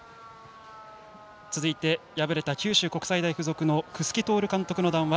続いて、敗れた九州国際大付属楠城徹監督の談話。